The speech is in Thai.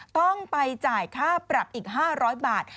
ต้องไปจ่ายค่าปรับอีก๕๐๐บาท